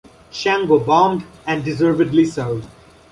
Shango bombed, and deservedly so.